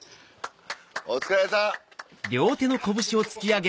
お疲れさん。